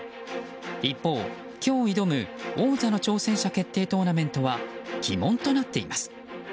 一方、今日挑む、王座の挑戦者決定トーナメントは鬼門となっています。